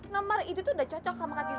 nomor itu tuh udah cocok sama kaki